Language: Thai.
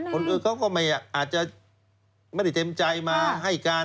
คนอื่นเขาก็ไม่อาจจะไม่ได้เต็มใจมาให้การ